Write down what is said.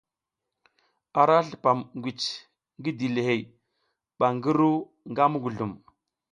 Ara slupam ngwici ngi dilihey ba ngi ru nga muguzlum.